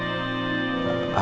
untuk men seinebeluhnya